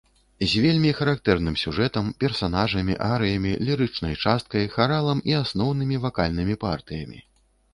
З вельмі характэрным сюжэтам, персанажамі, арыямі, лірычнай часткай, харалам і асноўнымі вакальнымі партыямі.